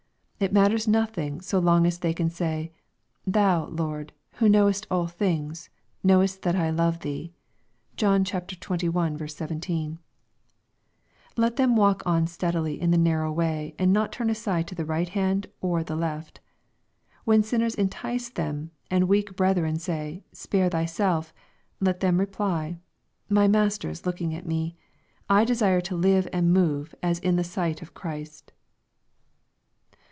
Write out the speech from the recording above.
* It matters nothing so long as they can say, " Thou, Lord, who knowest all things, knowest that I love thee." (John xxi. 17.) Let them walk on steadily in the narrow way, and not turn aside to the right hand or the left. When sinners entice them, and weak brethren say, " Spare thyself/' let them reply, " My Master is looking at me. I desire to live and move as in the sight of Christ."